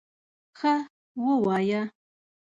_ښه، ووايه!